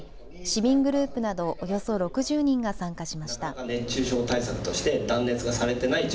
市民グループなどおよそ６０人が参加しました。